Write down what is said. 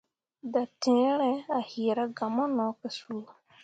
Dattǝǝre a yiira gah mo ke suu.